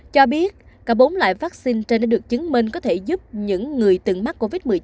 cho biết cả bốn loại vaccine trên đã được chứng minh có thể giúp những người từng mắc covid một mươi chín